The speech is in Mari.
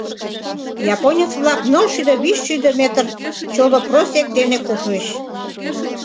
Японец-влак нылшӱдӧ-вичшӱдӧ метр чоло просек дене куржыч.